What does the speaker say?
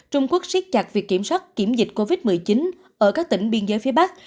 trung quốc siết chặt việc kiểm soát kiểm dịch covid một mươi chín ở các tỉnh biên giới phía bắc